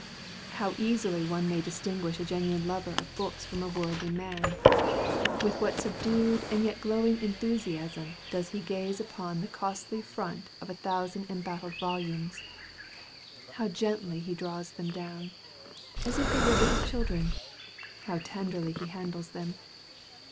How easily one may distinguish a genuine lover of books from a worldly man! With what subdued and yet glowing enthusiasm does he gaze upon the costly front of a thousand embattled volumes! How gently he draws them down, as if they were little children; how tenderly he handles them!